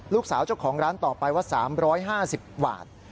ลูกสาวเจ้าของร้านต่อไปว่า๓๕๐บาท